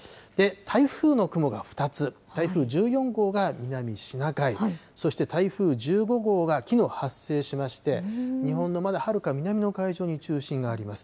台風の雲が２つ、台風１４号が南シナ海、そして台風１５号がきのう発生しまして、日本のまだはるか南の海上に中心があります。